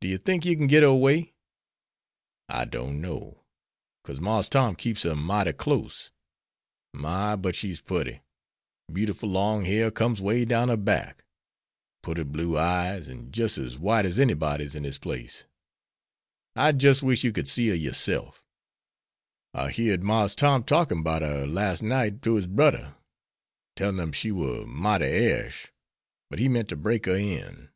"Do you think you can get her away?" "I don't know; 'cause Marse Tom keeps her mighty close. My! but she's putty. Beautiful long hair comes way down her back; putty blue eyes, an' jis' ez white ez anybody's in dis place. I'd jis' wish you could see her yoresef. I heerd Marse Tom talkin' 'bout her las' night to his brudder; tellin' him she war mighty airish, but he meant to break her in."